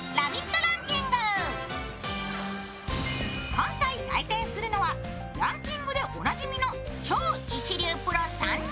今回採点するのはランキングでおなじみの超一流プロ３人。